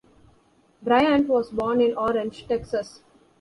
Bryant was born in Orange, Texas.